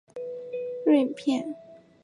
锐片毛蕨为金星蕨科毛蕨属下的一个种。